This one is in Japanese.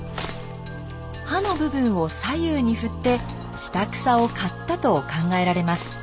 刃の部分を左右に振って下草を刈ったと考えられます。